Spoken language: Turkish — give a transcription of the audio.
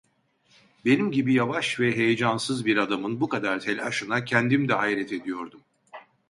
Benim gibi yavaş ve heyacansız bir adamın bu kadar telaşına kendim de hayret ediyordum.